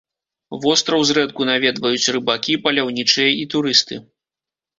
Востраў зрэдку наведваюць рыбакі, паляўнічыя і турысты.